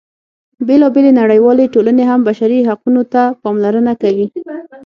بېلا بېلې نړیوالې ټولنې هم بشري حقونو ته پاملرنه کوي.